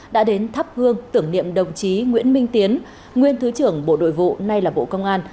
đã đến thắp hương tưởng niệm đồng chí nguyễn minh tiến nguyên thứ trưởng bộ nội vụ nay là bộ công an